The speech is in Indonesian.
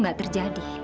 itu gak terjadi